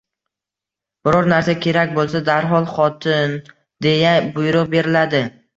Biror narsa kerak bo'lsa darhol Xoti-i-in deya buyruq beriladi